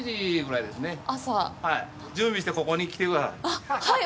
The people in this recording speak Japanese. あっ、はい。